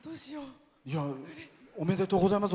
おめでとうございます。